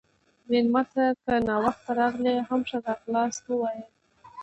مېلمه ته که ناوخته راغلی، هم ښه راغلاست ووایه.